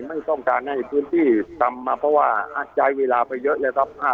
ไม่ต้องการให้พื้นที่ทำมาเพราะว่าใช้เวลาไปเยอะเลยครับ